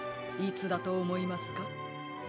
いつだとおもいますか？